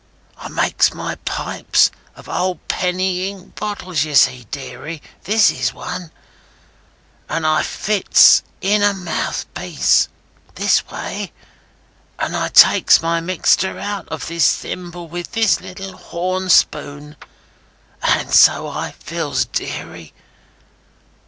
I makes my pipes of old penny ink bottles, ye see, deary—this is one—and I fits in a mouthpiece, this way, and I takes my mixter out of this thimble with this little horn spoon; and so I fills, deary.